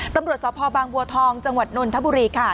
ตำรวจสพบางบัวทองจังหวัดนนทบุรีค่ะ